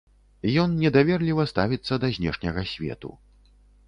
Ён недаверліва ставіцца да знешняга свету.